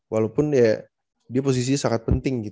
walaupun ya dia posisinya sangat penting